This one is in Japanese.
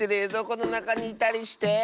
このなかにいたりして。